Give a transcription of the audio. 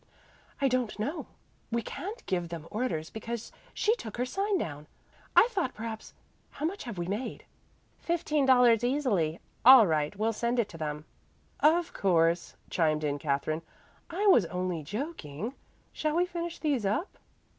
"I don't know. We can't give them orders because she took her sign down. I thought perhaps how much have we made?" "Fifteen dollars easily. All right; we'll send it to them." "Of course," chimed in Katherine. "I was only joking. Shall we finish these up?"